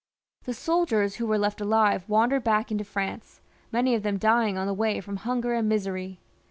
The soldiers who were left alive wandered back into France, many of them dying on the way from hunger and misery.